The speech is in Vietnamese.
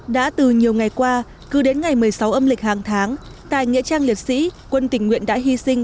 đã từ nhiều ngày qua cứ đến ngày một mươi sáu âm lịch hàng tháng tại nghệ trang liệt sĩ quân tình nguyện đã hy sinh